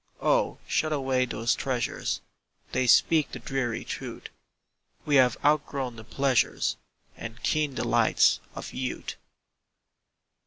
Oh, shut away those treasures, They speak the dreary truth We have outgrown the pleasures And keen delights of youth.